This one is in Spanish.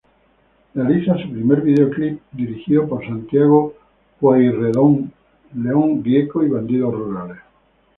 Realiza su primer videoclip dirigido por Santiago Pueyrredón –León Gieco, Bandidos rurales-.